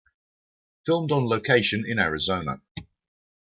Filmed on location in Arizona.